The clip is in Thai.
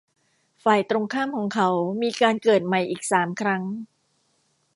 ฝ่ายตรงข้ามของเขามีการเกิดใหม่อีกสามครั้ง